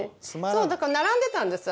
だから並んでたんです